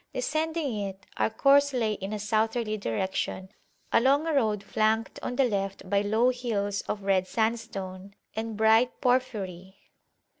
Descending it our course lay in a southerly direction along a road flanked on the left by low hills of red sandstone and bright porphyry.